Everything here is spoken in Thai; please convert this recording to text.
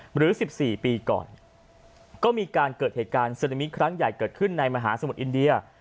หรือ๑๔ปีก่อนก็มีการเกิดเหตุการณ์ซึนามิครั้งใหญ่เกิดขึ้นในมหาสมุทรอินเดีย